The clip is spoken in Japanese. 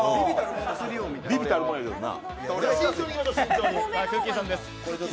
微々たるもんやけどな。